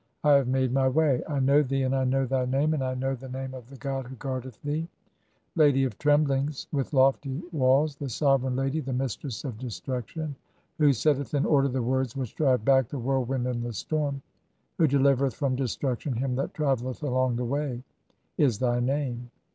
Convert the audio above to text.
I have made [my] way. I know thee, and I know "thy name, and I know (2) the name of the god who guardeth "thee ! 'Lady of tremblings, with lofty walls, the sovereign lady, "the mistress of destruction, who setteth in order the words "which drive back the whirlwind and the storm, who delivereth "from destruction him that travelleth along the way', is thy "name.